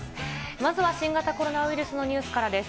まずは新型コロナウイルスのニュースからです。